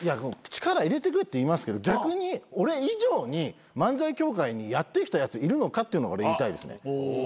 力入れてくれって言いますけど逆に俺以上に漫才協会にやってきたやついるのかっていうの俺言いたいですね。